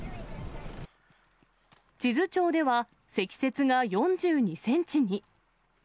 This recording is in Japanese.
智頭町では、積雪が４２センチに。